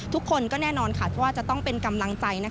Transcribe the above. ทุกคนก็แน่นอนว่าจะต้องเป็นกำลังใจ